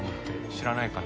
知らないかな？